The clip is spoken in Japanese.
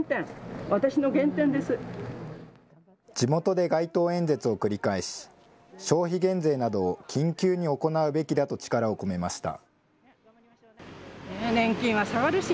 地元で街頭演説を繰り返し、消費減税などを緊急に行うべきだと力を込めました。